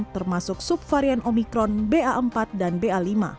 termasuk subvarian omikron ba empat dan ba lima